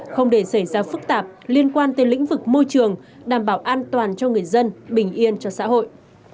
không để xảy ra phức tạp liên quan tới lĩnh vực môi trường đảm bảo an toàn cho người dân bình yên cho xã hội